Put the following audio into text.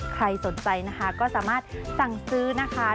ใครสนใจนะคะก็สามารถสั่งซื้อนะคะ